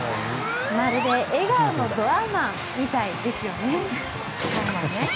まるで笑顔のドアマンみたいですよね。